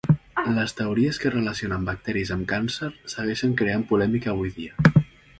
Les teories que relacionen bacteris amb càncer segueixen creant polèmica avui dia.